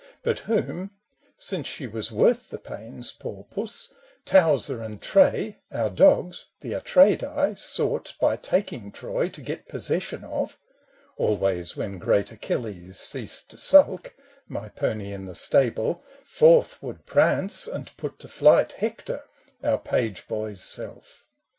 124 A so LAND 0: But whom— since she was worth the pains, poor puss Towzer and Tray,— our dogs, the Atreidai,— sought By taking Troy to get possession of — Always when great Achilles ceased to sulk, (My pony in the stable) — forth would prance And put to flight Hector— our page boy's self.